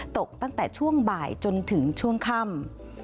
ตกตั้งแต่ช่วงบ่ายจนถึงช่วงค่ำ